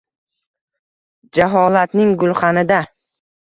Jaholatning gulxanida